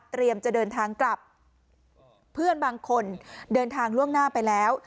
จะเดินทางกลับเพื่อนบางคนเดินทางล่วงหน้าไปแล้ว